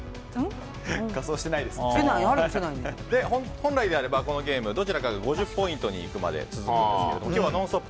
本来であれば、どちらかが５０ポイントになるまで続くんですけど今日は「ノンストップ！」